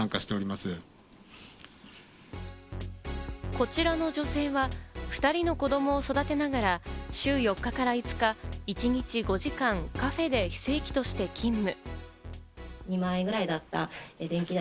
こちらの女性は２人の子供を育てながら、週４日から５日、一日５時間カフェで非正規として勤務。